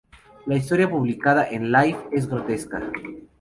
La historia publicada en "Life" es grotesca...